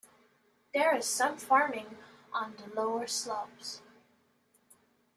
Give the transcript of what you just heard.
There is some farming on the lower slopes.